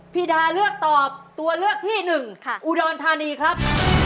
ดาเลือกตอบตัวเลือกที่หนึ่งอุดรธานีครับ